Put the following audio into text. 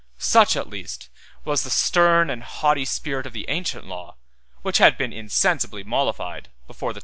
Such, at least, was the stern and haughty spirit of the ancient law, which had been insensibly mollified before the time of Justinian.